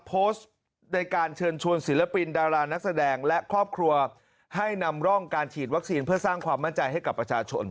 โพสต์ในการเชิญชวนศิลปินดารานักแสดงและครอบครัวให้นำร่องการฉีดวัคซีนเพื่อสร้างความมั่นใจให้กับประชาชน